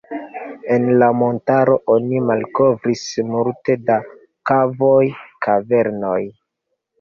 En la montaro oni malkovris multe da kavoj, kavernoj.